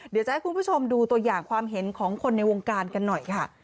เดี๋ยวจะให้คุณผู้ชมดูตัวอย่างความเห็นของคนในวงการกันหน่อยค่ะ